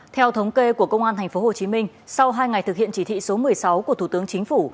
theo thống kê của công an tp hcm sau hai ngày thực hiện chỉ thị số một mươi sáu của thủ tướng chính phủ